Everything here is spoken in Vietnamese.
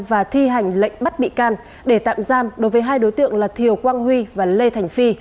và thi hành lệnh bắt bị can để tạm giam đối với hai đối tượng là thiều quang huy và lê thành phi